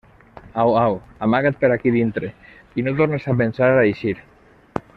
Au, au, amaga't per aquí dintre i no tornes a pensar a eixir.